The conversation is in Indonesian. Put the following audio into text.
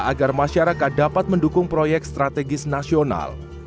agar masyarakat dapat mendukung proyek strategis nasional